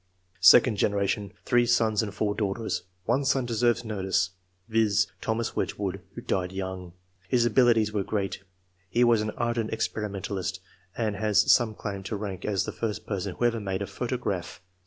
Second generation. — 3 sons and 4 daughters ; 1 son deserves notice, viz. : Thomas Wedgewood, who died young. His abilities were great ; he was an ardent experimentalist, and has some claim to rank as the first person who ever made a photograph.